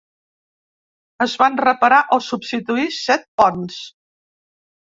Es van reparar o substituir set ponts.